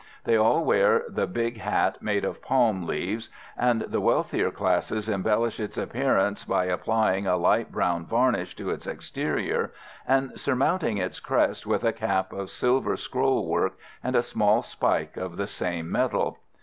They all wear the big hat made of palm leaves; and the wealthier classes embellish its appearance by applying a light brown varnish to its exterior and surmounting its crest with a cap of silver scroll work and a small spike of the same metal.